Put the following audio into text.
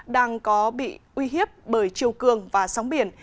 đang có bị uy hiếp bởi chiều cường và sóng biển